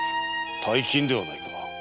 大金ではないか。